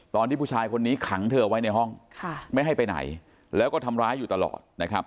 ตอนที่ผู้ชายคนนี้ขังเธอไว้ในห้องไม่ให้ไปไหนแล้วก็ทำร้ายอยู่ตลอดนะครับ